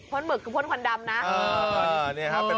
หมึกคือพ่นควันดำนะ